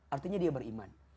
artinya dia beriman